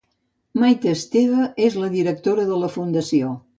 Maite Esteve és la directora de la Fundació.